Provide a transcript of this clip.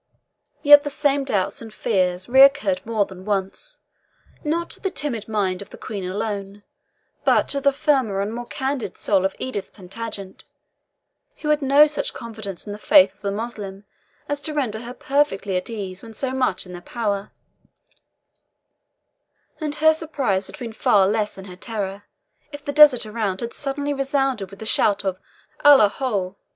Yet the same doubts and fears recurred more than once, not to the timid mind of the Queen alone, but to the firmer and more candid soul of Edith Plantagenet, who had no such confidence in the faith of the Moslem as to render her perfectly at ease when so much in their power; and her surprise had been far less than her terror, if the desert around had suddenly resounded with the shout of ALLAH HU!